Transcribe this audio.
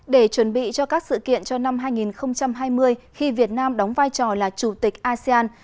để chuẩn bị cho các sự kiện cho năm hai nghìn hai mươi khi việt nam đóng vai trò là chủ tịch asean